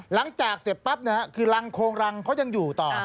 หลังจากเสร็จปั๊บคือรังโครงรังเขายังอยู่ต่อ